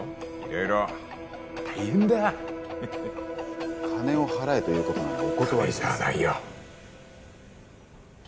色々大変だ金を払えということならお断り金じゃないよ